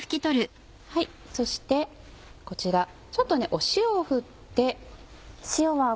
そしてこちらちょっと塩を振って。